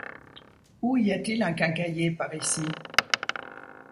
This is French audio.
Où y a-t-il un quincaillier par ici?